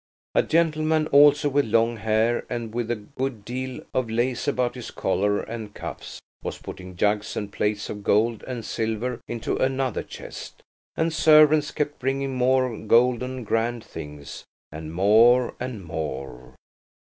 A gentleman, also with long hair, and with a good deal of lace about his collar and cuffs, was putting jugs and plates of gold and silver into another chest; and servants kept bringing more golden grand things, and more and more.